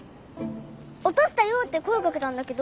「おとしたよ」ってこえかけたんだけど。